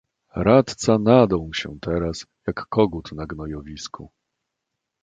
"Radca nadął się teraz, jak kogut na gnojowisku."